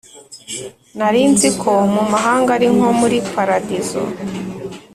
Narinziko mumahanga ari nko muri paradizo